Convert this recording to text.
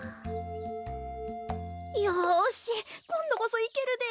よしこんどこそいけるで。